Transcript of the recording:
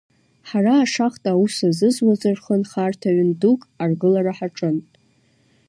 Ҳара ашахта аус азызуаз рзы нхарҭа ҩын дук аргылара ҳаҿын.